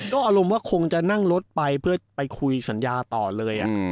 ก็อารมณ์ว่าคงจะนั่งรถไปเพื่อไปคุยสัญญาต่อเลย